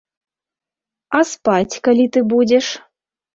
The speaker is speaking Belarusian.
А спаць калі ты будзеш?